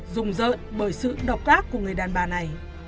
dùng dợn bởi sự độc ác của người đàn bà này